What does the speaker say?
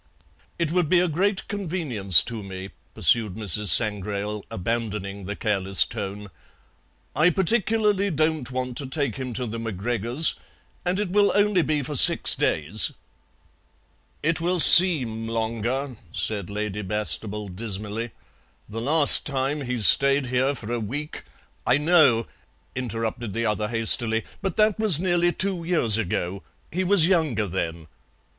"It would be a great convenience to me," pursued Mrs. Sangrail, abandoning the careless tone. "I particularly don't want to take him to the MacGregors', and it will only be for six days." "It will seem longer," said Lady Bastable dismally. "The last time he stayed here for a week " "I know," interrupted the other hastily, "but that was nearly two years ago. He was younger then."